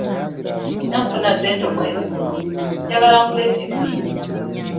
Singa nfuna ssente omwezi guno njagala ngule ttivvi.